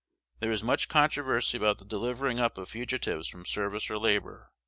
There is much controversy about the delivering up of fugitives from service or labor.